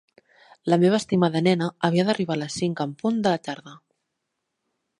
La meva estimada nena havia d'arribar a les cinc en punt de la tarda.